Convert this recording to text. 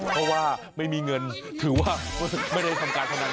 เพราะว่าไม่มีเงินถือว่าไม่ได้ทำการพนัน